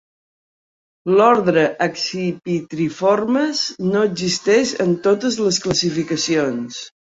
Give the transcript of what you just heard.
L'ordre Accipitriformes no existeix en totes les classificacions.